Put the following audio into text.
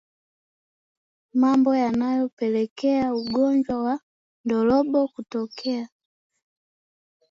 Mambo yanayopelekea ugonjwa wa ndorobo kutokea